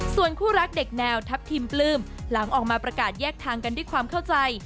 ส่วนคู่รักเด็กแนวทัพทิมปลื้มหลังออกมาประกาศแยกทางกันด้วยความเข้าใจ